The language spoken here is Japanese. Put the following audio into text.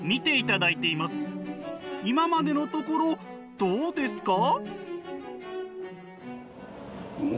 今までのところどうですか？